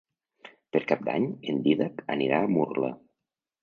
Per Cap d'Any en Dídac anirà a Murla.